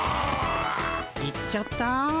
行っちゃった。